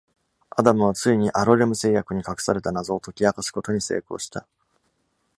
アダムはついにアロレム製薬に隠された謎を解き明かすことに成功した。